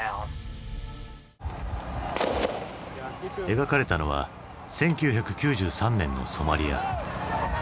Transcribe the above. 描かれたのは１９９３年のソマリア。